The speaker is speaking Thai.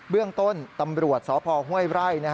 เรื่องต้นตำรวจสพห้วยไร่